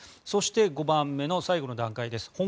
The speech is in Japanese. そして５番目の最後の段階です。